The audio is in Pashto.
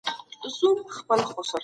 د مهارت تمرين څنګه کيده؟